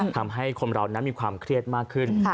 ทำให้คนเรานั้นมีความเครียดมากขึ้น